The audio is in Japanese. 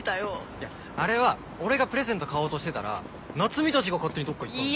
いやあれは俺がプレゼント買おうとしてたら夏海たちが勝手にどっか行ったんだろ。